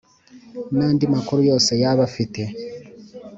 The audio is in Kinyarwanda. n andi makuru yose yaba afite